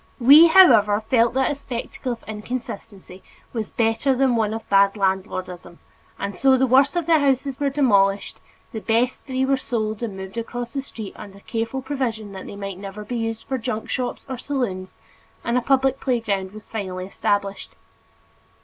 We, however, felt that a spectacle of inconsistency was better than one of bad landlordism and so the worst of the houses were demolished, the best three were sold and moved across the street under careful provision that they might never be used for junk shops or saloons, and a public playground was finally established.